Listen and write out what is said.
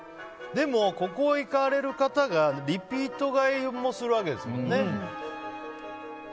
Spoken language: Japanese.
でも、ここを行かれる方がリピート買いもするわけですもんね。